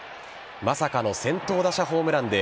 まさかの先頭打者ホームランで